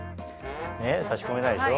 ねっ差し込めないでしょ。